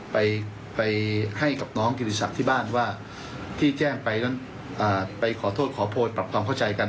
ไปไปให้กับน้องกิติศักดิ์ที่บ้านว่าที่แจ้งไปนั้นไปขอโทษขอโพยปรับความเข้าใจกัน